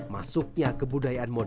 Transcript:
masuknya kebudayaan modern